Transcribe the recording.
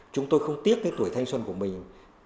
chúng tôi không tiếc cái tuổi thanh xuân của mình